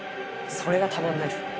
それがたまらないですね。